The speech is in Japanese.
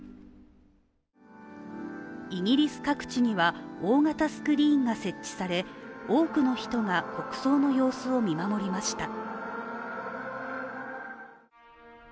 イギリス各地には大型スクリーンが設置され多くの人が国葬の様子を見守りました。